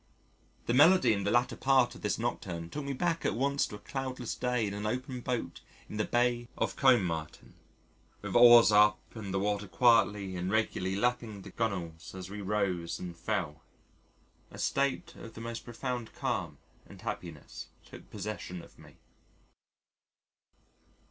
The melody in the latter part of this nocturne took me back at once to a cloudless day in an open boat in the Bay of Combemartin, with oars up and the water quietly and regularly lapping the gunwales as we rose and fell. A state of the most profound calm and happiness took possession of me.